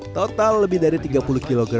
total lebih dari tiga puluh kg